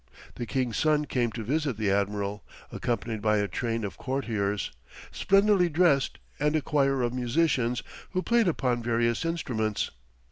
The king's son came to visit the admiral, accompanied by a train of courtiers splendidly dressed, and a choir of musicians, who played upon various instruments.